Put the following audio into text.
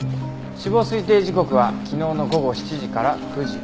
死亡推定時刻は昨日の午後７時から９時。